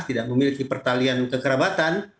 tidak memiliki pertalian kekerabatan